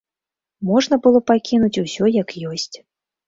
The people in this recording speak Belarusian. Можна было пакінуць усё як ёсць.